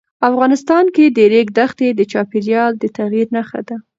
افغانستان کې د ریګ دښتې د چاپېریال د تغیر نښه ده.